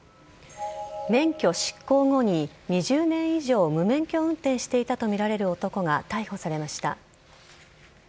免許失効後に２０年以上無免許運転していたとみられる男が逮捕されました。